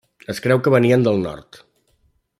Es creu que venien del nord.